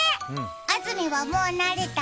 安住はもう慣れた？